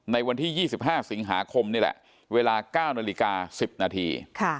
ในวันที่๒๕สิงหาคมนี่แหละเวลา๙นาฬิกา๑๐นาที